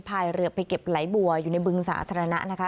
พายเรือไปเก็บไหลบัวอยู่ในบึงสาธารณะนะคะ